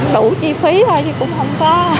đủ chi phí thôi thì cũng không có